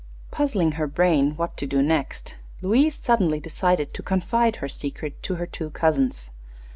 Puzzling her brain what to do next, Louise suddenly decided to confide her secret to her two cousins.